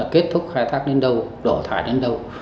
kết thúc khai thác đến đâu đổ thải đến đâu